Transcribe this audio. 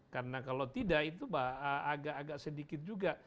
karena kalau tidak itu agak agak sedikit juga